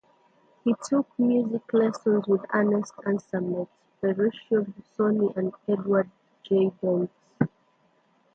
He took music lessons with Ernest Ansermet, Ferruccio Busoni and Edward J. Dent.